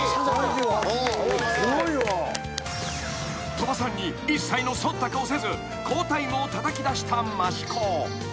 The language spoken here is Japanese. ［鳥羽さんに一切の忖度をせず好タイムをたたきだした益子］